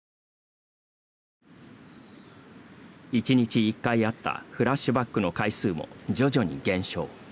１日１回あったフラッシュバックの回数も徐々に減少。